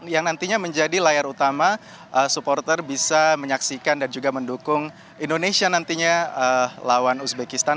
yang nantinya menjadi layar utama supporter bisa menyaksikan dan juga mendukung indonesia nantinya lawan uzbekistan